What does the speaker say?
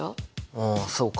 ああそうか。